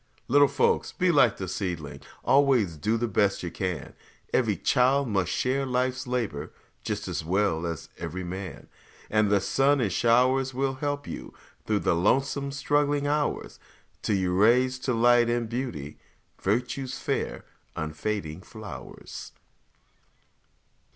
Little folks, be like the seedling, Always do the best you can; Every child must share life's labor Just as well as every man. And the sun and showers will help you Through the lonesome, struggling hours, Till you raise to light and beauty Virtue's fair, unfading flowers.